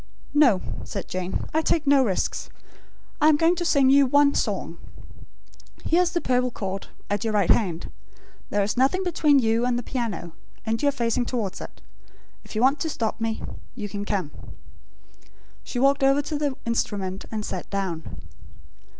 "No," said Jane. "I take no risks. I am going to sing you one song. Here is the purple cord, at your right hand. There is nothing between you and the piano; and you are facing towards it. If you want to stop me you can come." She walked to the instrument, and sat down.